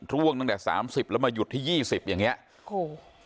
ร่วงตั้งแต่สามสิบแล้วมาหยุดที่ยี่สิบอย่างเงี้ยโอ้โห